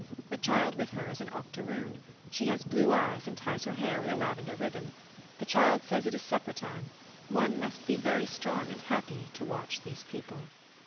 The child with her is an octoroon. She has blue eyes, and ties her hair with a lavender ribbon. The child says it is supper time. One must be very strong and happy to watch these people.